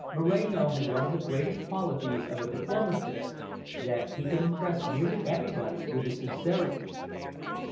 Moreno had one of the greatest qualities of a diplomatist, that he could impress nearly everybody with his sincerity.